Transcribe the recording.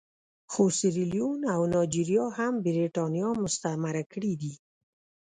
خو سیریلیون او نایجیریا هم برېټانیا مستعمره کړي دي.